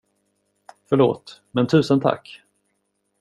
Förlåt, men tusen tack!